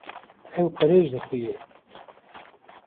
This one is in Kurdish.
Ew qirêj dixuye.